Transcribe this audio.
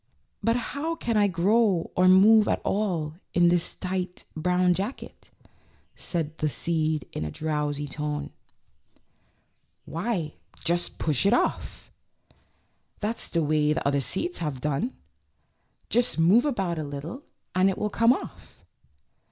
"But how can I grow or move at all in this tight, brown jacket?" said the seed in a drowsy tone. 98 THE LITTLE SEED. "Why, push it off. That's the way the other seeds have done; just move about a ht tle and it will come off."